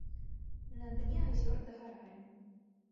На дне азёр дагарае.